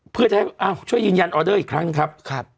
เพื่อช่วยยืนยันออเดอร์อีกครั้งครับ